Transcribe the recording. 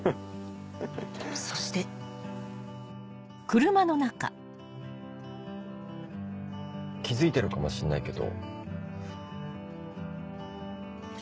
そして気付いてるかもしんないけど。